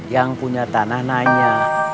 yang punya tanah nanya